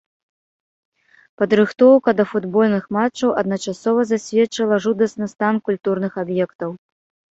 Падрыхтоўка да футбольных матчаў адначасова засведчыла жудасны стан культурных аб'ектаў.